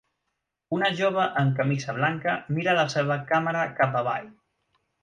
Una jove amb camisa blanca mira la seva càmera cap avall